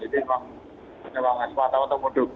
jadi memang asmat atau muduk